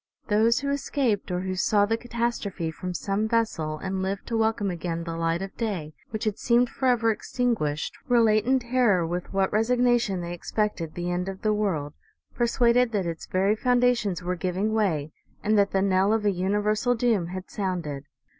Those who escaped, or who saw the catastrophe from some vessel, and lived to welcome again the light of day, which had seemed forever extin guished, relate in terror with what resignation they ex pected the end of the world, persuaded that its very foun dations were giving way and that the knell of a universal doom had sounded.